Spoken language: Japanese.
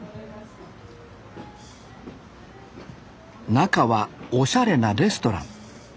中はおしゃれなレストラン。